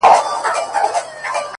چي وايي؛